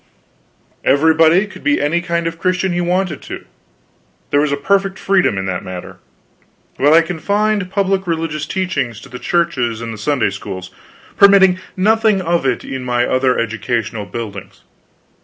Everybody could be any kind of a Christian he wanted to; there was perfect freedom in that matter. But I confined public religious teaching to the churches and the Sunday schools, permitting nothing of it in my other educational buildings.